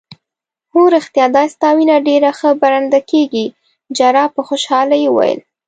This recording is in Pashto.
هو ریښتیا دا ستا وینه ډیره ښه پرنډ کیږي. جراح په خوشحالۍ وویل.